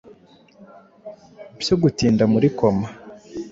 byo gutinda muri coma